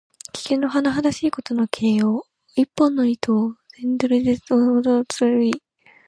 危険のはなはだしいことの形容。一本の糸で千鈞の重さを支える意。